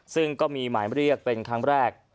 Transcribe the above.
ซึ่งก็มีหมายเรียกเป็นครั้งแรก